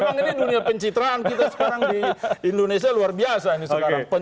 memang ini dunia pencitraan kita sekarang di indonesia luar biasa ini sekarang